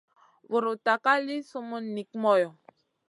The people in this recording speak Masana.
Vuruta ka li summun nik moyo.